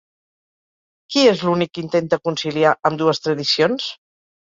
Qui és l'únic que intenta conciliar ambdues tradicions?